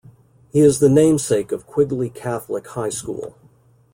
He is the namesake of Quigley Catholic High School.